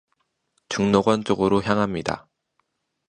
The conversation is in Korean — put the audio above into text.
죽록원 쪽으로 향합니다